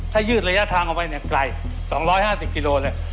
ถ้ายืดระยะทางเข้าไปใกล้๒๕๐กิโลเมตรเลย